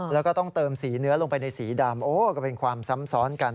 แล้วก็ต้องเติมสีเนื้อลงไปในสีดำโอ้ก็เป็นความซ้ำซ้อนกัน